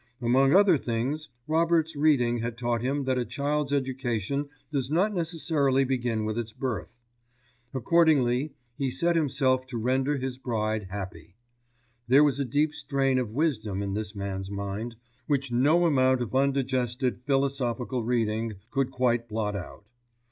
Among other things, Robert's reading had taught him that a child's education does not necessarily begin with its birth. Accordingly he set himself to render his bride happy. There was a deep strain of wisdom in this man's mind, which no amount of undigested philosophical reading could quite blot out.